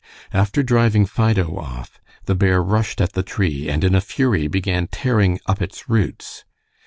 After driving Fido off, the bear rushed at the tree, and in a fury began tearing up its roots.